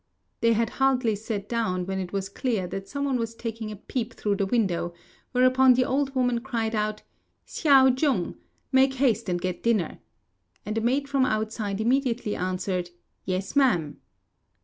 They had hardly sat down when it was clear that some one was taking a peep through the window; whereupon the old woman cried out, "Hsiao jung! make haste and get dinner," and a maid from outside immediately answered "Yes, ma'am."